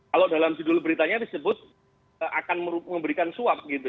kalau dalam judul beritanya disebut akan memberikan suap gitu